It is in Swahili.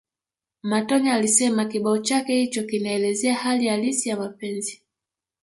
Matonya alisema kibao chake hicho kinaelezea hali halisi ya mapenzi